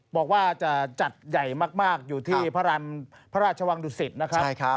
บอกว่าจะจัดใหญ่มากอยู่ที่พระราชวังดุสิตนะครับ